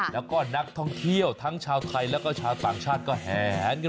แล้วก็นักท่องเที่ยวทั้งชาวไทยแล้วก็ชาวต่างชาติก็แห